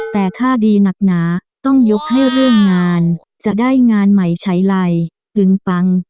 แต่ถ้าดีหนักหนาต้องยกให้เรื่องงานจะได้งานใหม่ใช้ไรปึงปัง